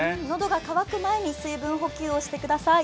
喉が渇く前に水分補給をしてください。